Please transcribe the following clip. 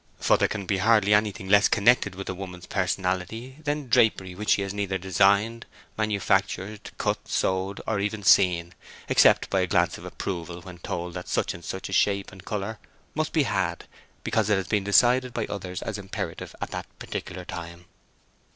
For there can be hardly anything less connected with a woman's personality than drapery which she has neither designed, manufactured, cut, sewed, or even seen, except by a glance of approval when told that such and such a shape and color must be had because it has been decided by others as imperative at that particular time.